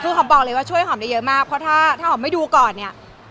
คือหอมบอกเลยว่าช่วยหอมได้เยอะมากเพราะถ้าหอมไม่ดูก่อนเนี่ย